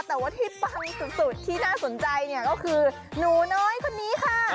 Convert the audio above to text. แต่ว่าที่ปังสุดที่น่าสนใจเนี่ยก็คือหนูน้อยคนนี้ค่ะ